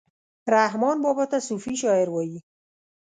رحمان بابا ته صوفي شاعر وايي